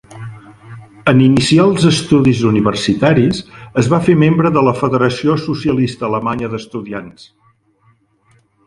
En iniciar els estudis universitaris, es va fer membre de la Federació Socialista Alemanya d'Estudiants.